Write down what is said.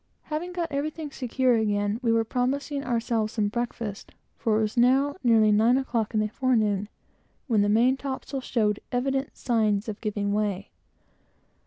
Having got everything secure again, we were promising ourselves some breakfast, for it was now nearly nine o'clock in the forenoon, when the main topsail showed evident signs of giving way.